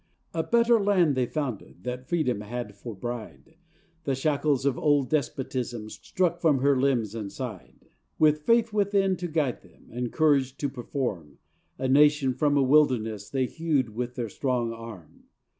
A better land they founded, That Freedom had for bride, The shackles of old despotism Struck from her limbs and side. With faith within to guide them, And courage to perform, A nation, from a wilderness, They hewed with their strong arm.